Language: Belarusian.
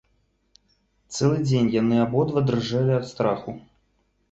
Цэлы дзень яны абодва дрыжэлі ад страху.